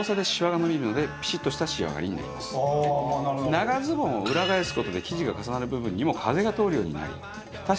長ズボンを裏返す事で生地が重なる部分にも風が通るようになり。